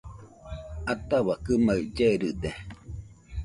Ataua kɨmaɨ llerɨde